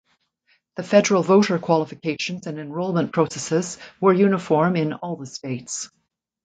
The federal voter qualifications and enrolment processes were uniform in all the states.